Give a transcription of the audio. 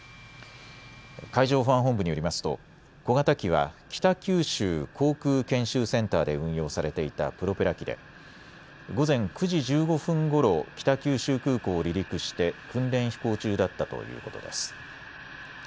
海上保安本部によりますと小型機は北九州航空研修センターで運用されていたプロペラ機で午前９時１５分ごろ北九州空港を離陸して訓練飛行中だったということです。